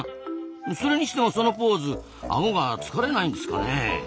それにしてもそのポーズアゴが疲れないんですかね？